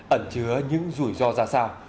ẩn chứa những rủi ro ra sao